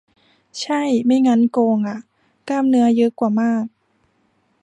ใช่ ไม่งั้นโกงอะ กล้ามเนื้อเยอะกว่ามาก